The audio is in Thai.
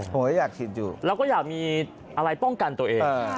อยากฉีดอยู่แล้วก็อยากมีอะไรป้องกันตัวเอง